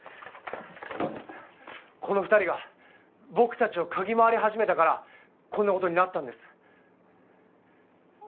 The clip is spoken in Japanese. この２人が僕たちを嗅ぎまわり始めたからこんなことになったんです。